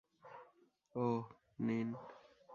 ওহ, নিন।